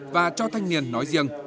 và cho thanh niên nói riêng